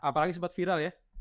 apalagi sempat viral ya